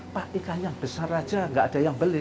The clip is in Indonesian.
pak ikan yang besar aja nggak ada yang beli